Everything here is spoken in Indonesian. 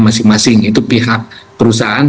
masing masing itu pihak perusahaan